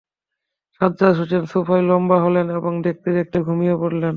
সাজ্জাদ হোসেন সোফায় লম্বা হলেন এবং দেখতে- দেখতে ঘুমিয়ে পড়লেন।